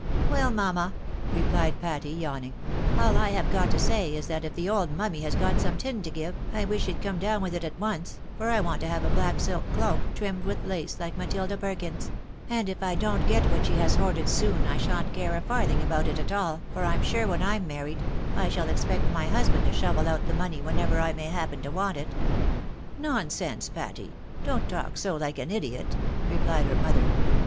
" Well, mamma," repMed Patty, yawning, " aU I have got 'to say is, that if the old mummy has got some tin to give, I wish she'd come down with it at once, for I want to have a black silk cloak, trimmed with lace like MatUda Perkins's ; and if I don't get what she has hoarded soon I shan't care a farthing about it at all, for Pm sure, when Pm married, I shall expect my husband to shovel out the money whenever I may happen to want it." "Nonsense, Patty! don't talk so hke an idiot," replied her mother.